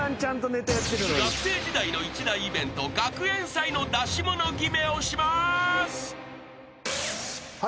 ［学生時代の一大イベント学園祭の出し物決めをします］